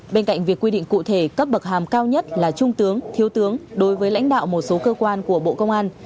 bên cạnh việc quy định cụ thể cấp bậc hàm cao nhất là trung tướng thiếu tướng đối với lãnh đạo một số cơ quan của bộ công an